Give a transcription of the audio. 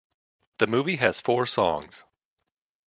The movie has four songs.